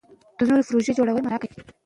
ټنبلي د ناکامۍ نښه ده.